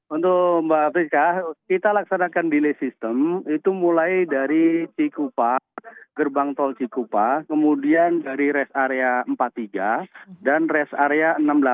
untuk mbak afrika kita laksanakan delay system itu mulai dari cikupa gerbang tol cikupa kemudian dari rest area empat puluh tiga dan rest area enam belas